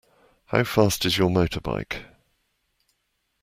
How fast is your motorbike?